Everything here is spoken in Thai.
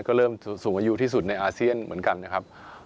ก็เริ่มสูงอายุที่สุดในอาเซียนเหมือนกันนะครับ